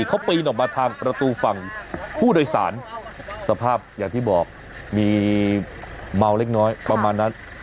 เขาปีนออกมาทางประตูฝั่งผู้โดยสารสภาพอย่างที่บอกมีเมาเล็กน้อยประมาณนั้น